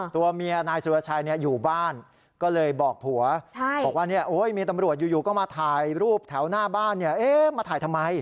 ตัวเมียนายสุรชัยอยู่บ้านก็เลยบอกผัวบอกว่ามีตำรวจอยู่ก็มาถ่ายรูปแถวหน้าบ้านมาถ่ายทำไม